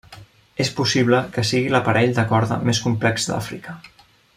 És possible que sigui l'aparell de corda més complex d'Àfrica.